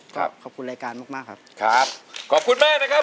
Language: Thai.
เพลงนี้อยู่ในอาราบัมชุดแรกของคุณแจ็คเลยนะครับ